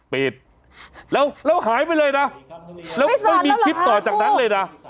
ปิดแล้วแล้วหายไปเลยนะแล้วไม่มีคลิปต่อจากนั้นเลยนะ